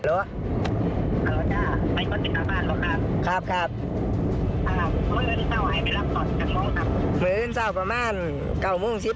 โอเคมีพวกมันใกล้บ้างล่ะครบ